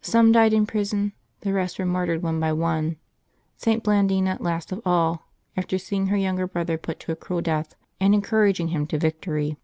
Some died in prison, the rest were martyred one by one, St. Blandina last of all, after seeing her younger brother put to a cruel death, and encouraging him to victory.